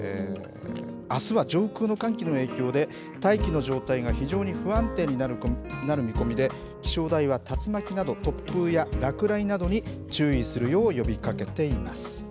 あすは上空の寒気の影響で、大気の状態が非常に不安定になる見込みで、気象台は竜巻など、突風や落雷などに注意するよう呼びかけています。